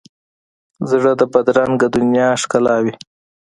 زړه د بدرنګه دنیا ښکلاوي.